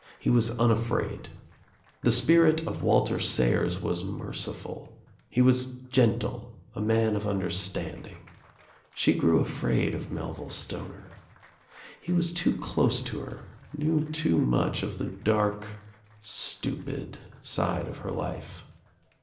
He was unafraid. The spirit of Walter Sayers was mere!* ful. He was gentle, a man of understanding. She grew afraid of Melville Stoner. He was too close to her, knew too much of the dark, stupid side of her life.